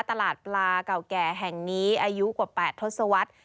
ตลาดปลาเก่าแก่แห่งนี้อายุกว่า๘ทศวรรษ